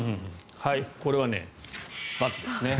これは×ですね。